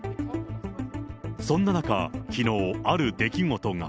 そんな中、きのうある出来事が。